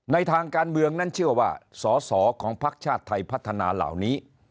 ในทางการเมืองนั้นเชื่อว่าสอสอของภักดิ์ชาติไทยพัฒนาเหล่านี้